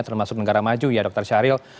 termasuk negara maju ya dokter syahril